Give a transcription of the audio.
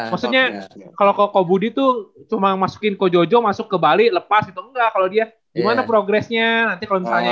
maksudnya kalau koko budi tuh cuma masukin ko jojo masuk ke bali lepas gitu enggak kalau dia gimana progressnya nanti kalau misalnya